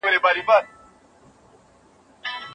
په نړۍ کي د بدبختۍ ريښې وباسئ.